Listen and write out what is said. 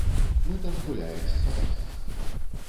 Мы там гуляем з сабакам.